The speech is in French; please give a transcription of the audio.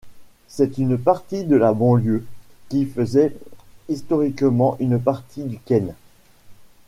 C'est une partie de la banlieue, qui faisait historiquement une partie du Kent.